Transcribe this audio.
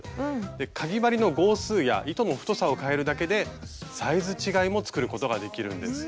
かぎ針の号数や糸の太さを変えるだけでサイズ違いも作ることができるんです。